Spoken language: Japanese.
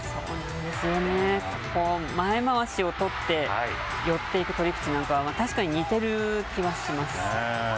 こう、前まわしを取って寄っていく取り口なんかは、確かに似ているような気はします。